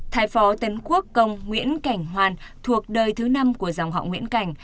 thái phó tấn quốc công nguyễn cảnh hoàn thuộc đời thứ năm của dòng họ nguyễn cảnh